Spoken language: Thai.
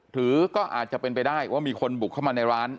หรือก็อาจจะเป็นไปได้ว่ามีคนบุกเข้ามาในร้าน